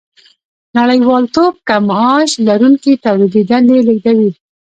نړیوالتوب کم معاش لرونکي تولیدي دندې لېږدوي